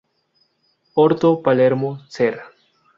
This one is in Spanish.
Orto Palermo, ser.